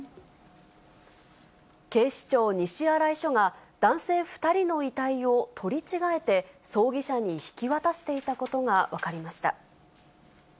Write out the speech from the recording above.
警視庁西新井署が、男性２人の遺体を取り違えて、葬儀社に引き渡していたことが分かりました。